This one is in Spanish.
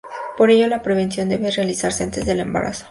Por ello la prevención debe realizarse antes del embarazo.